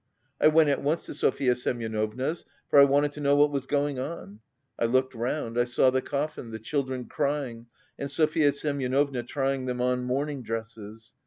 I went at once to Sofya Semyonovna's, for I wanted to know what was going on. I looked round, I saw the coffin, the children crying, and Sofya Semyonovna trying them on mourning dresses.